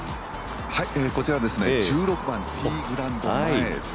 こちら１６番ティーグラウンド前です